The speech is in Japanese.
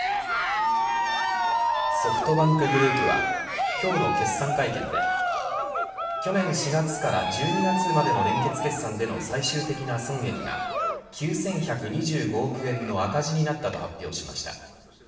ソフトバンクグループは今日の決算会見で去年４月から１２月までの連結決算での最終的な損益が９１２５億円の赤字になったと発表しました。